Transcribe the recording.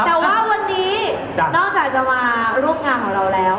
แต่ว่าวันนี้นอกจากจะมาร่วมงานของเราแล้ว